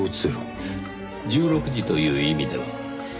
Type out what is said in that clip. １６００？１６時という意味では？